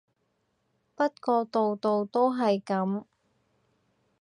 不過度度都係噉